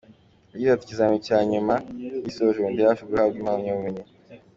Yagize ati, “ikizamini cya nyuma ndagshoje ubu ndi hafi guhabwa impamyabumenyi.